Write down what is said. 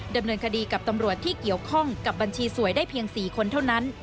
ดำเนินคดีกับตำรวจที่เกี่ยวข้องกับบัญชีสวยได้เพียง๔คนเท่านั้น